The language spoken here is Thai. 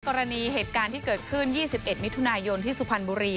กรณีเหตุการณ์ที่เกิดขึ้น๒๑มิถุนายนที่สุพรรณบุรี